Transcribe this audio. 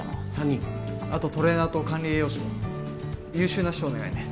３人あとトレーナーと管理栄養士も優秀な人お願いね